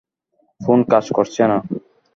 Phone কাজ করছে না।